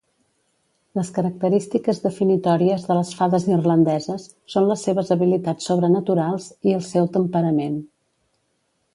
Les característiques definitòries de les fades irlandeses són les seves habilitats sobrenaturals i el seu temperament.